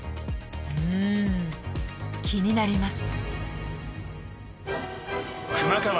うーん気になります